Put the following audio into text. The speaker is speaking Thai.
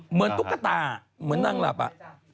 เหมือนตุ๊กตาเหมือนนั่งหลับอ่ะ